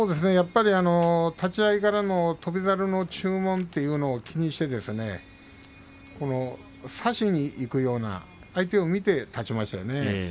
立ち合いからの翔猿の注文というのを気にして差しにいくように相手を見て立ちましたね。